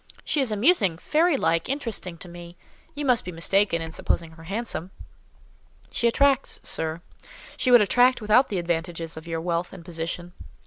She is amusing, fairy like, interesting to me;—you must be mistaken in supposing her handsome?" "She attracts, sir: she would attract without the advantages of your wealth and position."